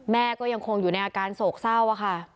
แม่ก็ยังคงอยู่ในอาการโศกเศร้าค่ะ